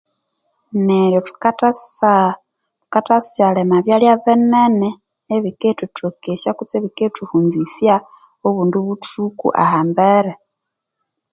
Neryo thukathasyaaa thusyalima byalya binene ebikithuthukesya kutse ebikithughunzisya obundi buthuku aha mbere